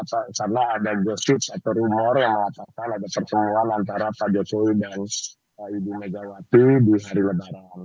karena ada gosip atau rumor yang mengatakan ada pertemuan antara pak jokowi dan ibu megawati di hari lebaran